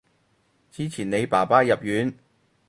之前你爸爸入院